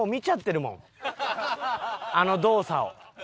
あの動作を。